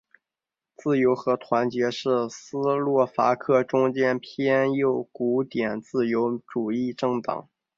自由和团结是斯洛伐克中间偏右古典自由主义政党。